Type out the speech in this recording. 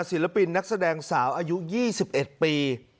ศิลปินนักแสดงสาวอายุ๒๑ปี